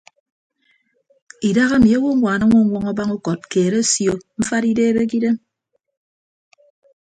Idahaemi owoññwaan añwọñwọñ abañ ukọt keed asio mfat ideebe ke idem.